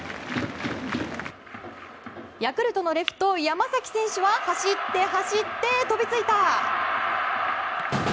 ヤクルトのレフト山崎選手は走って、走って飛びついた！